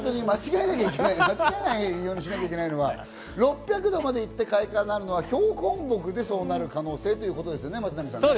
間違えないようにしなきゃいけないのは６００度までいって開花になるのは標本木でそうなる可能性ということですね。